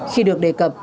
khi được đề cập